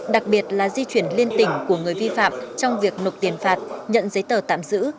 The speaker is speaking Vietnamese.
đặc biệt là di chuyển liên tỉnh của người vi phạm trong việc nộp tiền phạt nhận giấy tờ tạm giữ